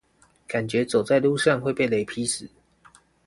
感覺走在路上會被雷劈死